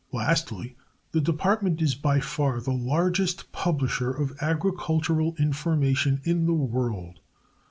Lastly, the Department is by far the largest publisher of agricultural information in the world.